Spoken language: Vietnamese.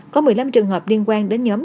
có một mươi năm trường hợp liên quan đến nhóm